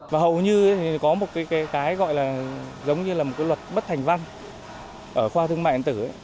và hầu như có một cái gọi là giống như là một cái luật bất thành văn ở khoa thương mại điện tử ấy